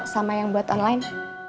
sama yang buat online